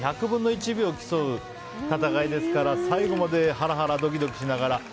１００分の１秒競う戦いですから最後までハラハラドキドキしながら。